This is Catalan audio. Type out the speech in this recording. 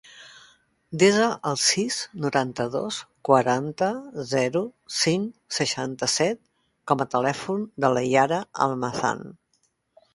Desa el sis, noranta-dos, quaranta, zero, cinc, seixanta-set com a telèfon de la Yara Almazan.